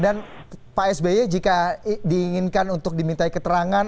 dan pak spy jika diinginkan untuk dimintai keterangan